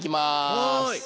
はい。